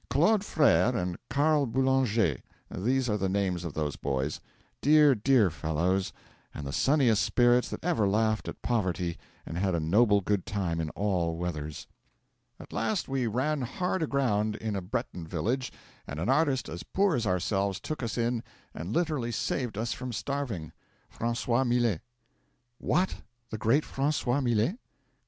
Claude Frere and Carl Boulanger these are the names of those boys; dear, dear fellows, and the sunniest spirits that ever laughed at poverty and had a noble good time in all weathers. 'At last we ran hard aground in a Breton village, and an artist as poor as ourselves took us in and literally saved us from starving Francois Millet ' 'What! the great Francois Millet?'